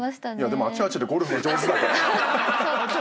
でもあっちはあっちでゴルフが上手だから。